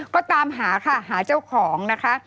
ก็ตามหาค่ะหาเจ้าของนะคะ